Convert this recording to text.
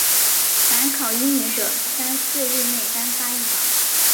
凡考英文者三四日内单发一榜。